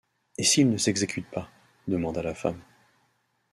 Et s’il ne s’exécute pas? demanda la femme.